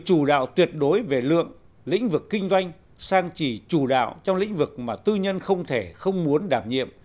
chủ đạo tuyệt đối về lượng lĩnh vực kinh doanh sang chỉ chủ đạo trong lĩnh vực mà tư nhân không thể không muốn đảm nhiệm